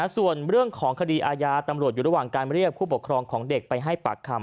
ส่วนเรื่องของคดีอาญาตำรวจอยู่ระหว่างการเรียกผู้ปกครองของเด็กไปให้ปากคำ